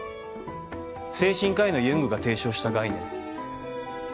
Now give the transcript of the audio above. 精神科医のユングが提唱した概念。